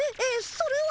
それは。